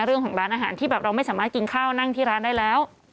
เรื่องของร้านอาหารที่แบบเราไม่สามารถกินข้าวนั่งที่ร้านได้แล้ว